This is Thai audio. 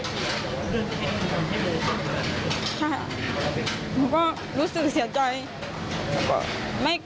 หนูก็รู้สึกเสียใจ